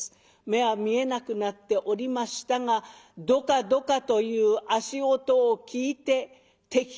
目は見えなくなっておりましたがドカドカという足音を聞いて「敵か？